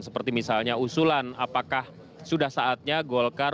seperti misalnya usulan apakah sudah saatnya golkar